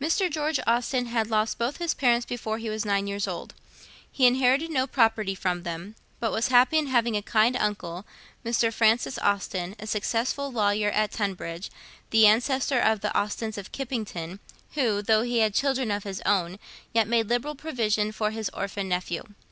Mr. George Austen had lost both his parents before he was nine years old. He inherited no property from them; but was happy in having a kind uncle, Mr. Francis Austen, a successful lawyer at Tunbridge, the ancestor of the Austens of Kippington, who, though he had children of his own, yet made liberal provision for his orphan nephew.